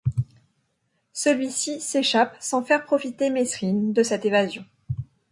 Celui-ci s'échappe sans faire profiter Mesrine de cette évasion.